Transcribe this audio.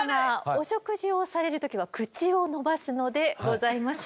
お食事をされる時は口をのばすのでございます。